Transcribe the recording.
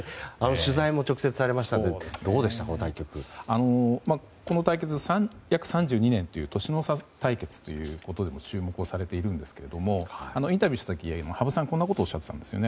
取材も直接されましたがこの対局、３２歳差という年の差対決ということでも注目されていますがインタビューをした時羽生さんはこんなことをおっしゃっていたんですね。